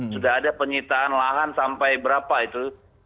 sudah ada penyitaan lahan sampai berapa itu